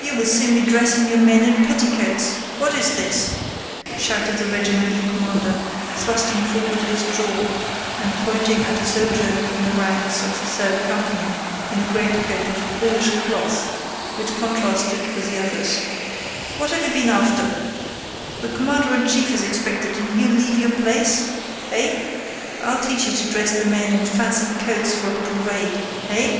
"You will soon be dressing your men in petticoats! What is this?" shouted the regimental commander, thrusting forward his jaw and pointing at a soldier in the ranks of the third company in a greatcoat of bluish cloth, which contrasted with the others. "What have you been after? The commander in chief is expected and you leave your place? Eh? I'll teach you to dress the men in fancy coats for a parade.... Eh...?"